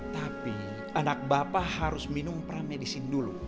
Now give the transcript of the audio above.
tapi anak bapak harus minum pramedicine dulu